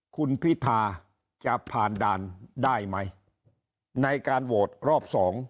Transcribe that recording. คุณพิธาจะผ่านด่านได้ไหมในการโหวตรอบ๒